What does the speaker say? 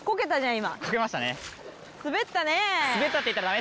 今。